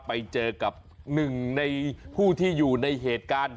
ไปเจอกับหนึ่งในผู้ที่อยู่ในเหตุการณ์